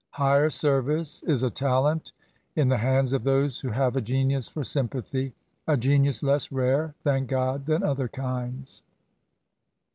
Higher ser vice is a talent in the hands of those who have a genius for sympathy — a genius less rare, thank God! than other kinds.